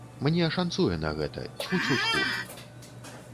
Мне шанцуе на гэта, цьфу-цьфу-цьфу.